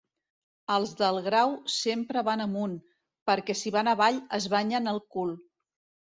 Els del Grau sempre van amunt, perquè si van avall es banyen el cul.